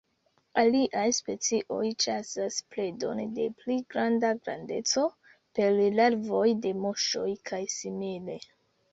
Aliaj specioj ĉasas predon de pli granda grandeco: per larvoj de muŝoj kaj simile.